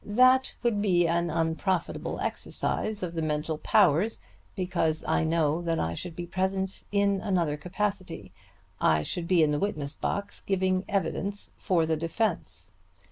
That would be an unprofitable exercise of the mental powers, because I know that I should be present in another capacity. I should be in the witness box, giving evidence for the defense.